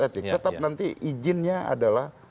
tetap nanti izinnya adalah